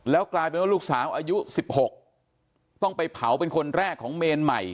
กลายเป็นว่าลูกสาวอายุ๑๖ต้องไปเผาเป็นคนแรกของเมนใหม่